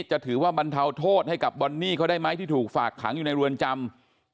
จะถือว่าบรรเทาโทษให้กับบอนนี่เขาได้ไหมที่ถูกฝากขังอยู่ในเรือนจำ